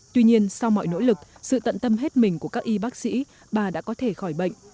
tuy nhiên sau mọi nỗ lực sự tận tâm hết mình của các y bác sĩ bà đã có thể khỏi bệnh